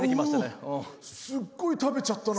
ああすっごい食べちゃったな。